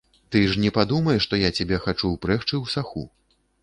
Ты ж не падумай, што я цябе хачу ўпрэгчы ў саху.